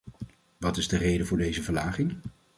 Wat is de reden voor deze verlaging?